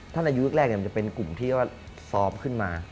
ท่านอายุแรกจะเป็นกลุ่มที่ซ้อมขึ้นมา